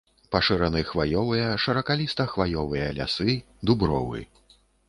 Пашыраны хваёвыя, шыракаліста-хваёвыя лясы, дубровы.